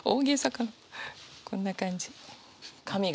こんな感じ。